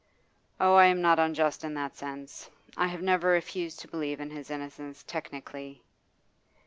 'Oh, I am not unjust in that sense. I have never refused to believe in his innocence technically.